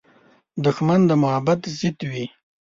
دښمن د محبت ضد وي